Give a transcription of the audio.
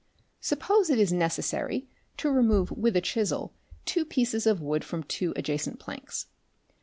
Suppose it is necessary to remove with a chisel two pieces of wood from two adjacent planks.